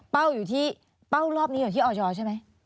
เป้าอยู่ที่เป้ารอบนี้อยู่ที่ออยใช่ไหม